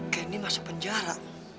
candy masuk penjara